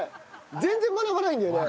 全然学ばないんだよね。